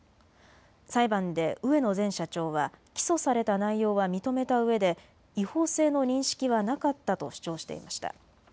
裁判で植野前社長は起訴された内容は認めたうえで違法性の認識はなかったと主張していました。